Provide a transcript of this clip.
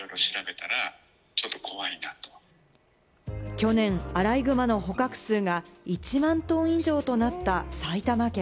去年、アライグマの捕獲数が１万頭以上となった埼玉県。